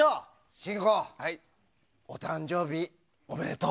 信五、お誕生日おめでとう。